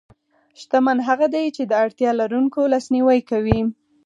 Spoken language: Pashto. شتمن هغه دی چې د اړتیا لرونکو لاسنیوی کوي.